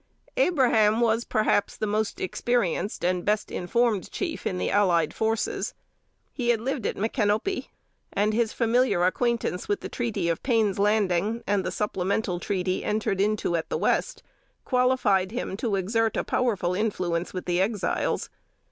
Abraham was, perhaps, the most experienced and best informed chief in the allied forces. He had lived at Micanopy; and his familiar acquaintance with the treaty of Payne's Landing, and the supplemental treaty entered into at the West, qualified him to exert a powerful influence with the Exiles.